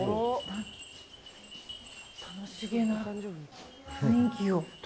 楽しげな雰囲気を。